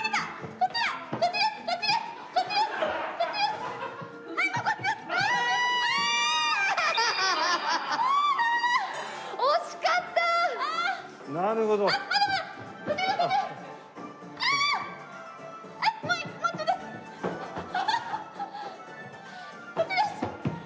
こっちです。